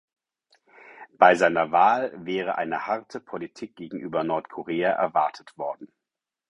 Bei seiner Wahl wäre eine harte Politik gegenüber Nordkorea erwartet worden.